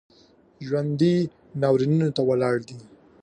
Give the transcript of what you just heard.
ژوندي ناورینونو ته ولاړ دي